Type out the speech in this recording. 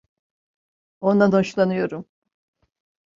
Ondan hoşlanıyorum.